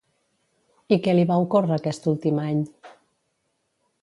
I què li va ocórrer aquest últim any?